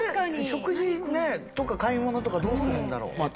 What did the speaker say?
食事とか買い物とかどうするんだろう？